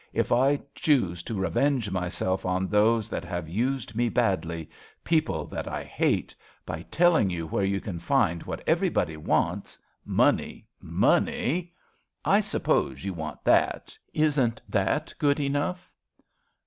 If I choose to revenge myself on those that have used me badly, people that I hate, by telling you where you can find what everybody wants, money, money — I suppose you want that — isn't that good enough